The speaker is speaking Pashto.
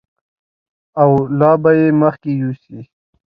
او لا به یې مخکې یوسي.